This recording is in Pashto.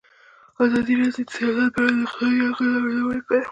ازادي راډیو د سیاست په اړه د اقتصادي اغېزو ارزونه کړې.